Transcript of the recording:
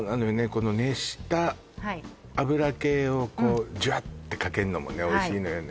この熱した油系をこうジュッてかけんのもねおいしいのよね